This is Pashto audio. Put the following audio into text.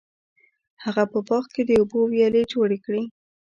هغه په باغ کې د اوبو ویالې جوړې کړې.